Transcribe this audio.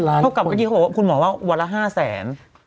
อย่างนั้นฮะคุณหมอว่าวันละ๕แสน